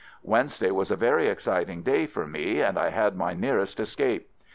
! Wednesday was a very exciting day for me, and I had my nearest escape.